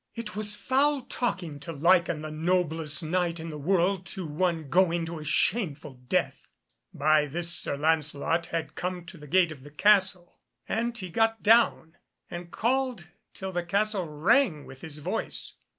"It was foul talking, to liken the noblest Knight in the world to one going to a shameful death." By this Sir Lancelot had come to the gate of the castle, and he got down and called till the castle rang with his voice.